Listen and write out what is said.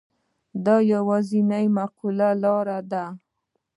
دا یوازینۍ معقوله حل لاره ده.